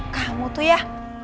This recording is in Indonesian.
kamu tuh ya